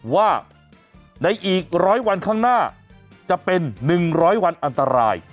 ว่าในอีก๑๐๐วันข้างหน้าจะเป็น๑๐๐วันอันตราย